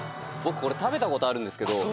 僕これ食べたことあるんですけど。